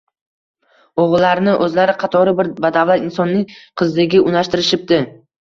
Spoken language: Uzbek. O`g`illarini o`zlari qatori bir badavlat insonning qiziga unashtirishibdi